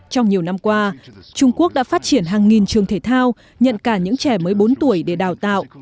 trong nhiều năm qua trung quốc đã phát triển hàng nghìn trường thể thao nhận cả những trẻ mới bốn tuổi để đào tạo